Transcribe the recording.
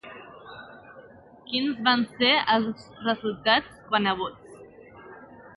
Quins van ser els resultats quant a vots?